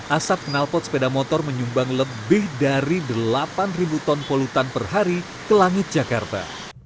asap kenalpot sepeda motor menyumbang lebih dari delapan ton polutan per hari ke langit jakarta